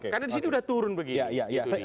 karena di sini sudah turun begitu